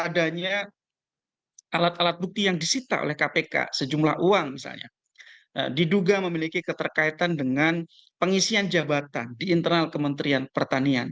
adanya alat alat bukti yang disita oleh kpk sejumlah uang misalnya diduga memiliki keterkaitan dengan pengisian jabatan di internal kementerian pertanian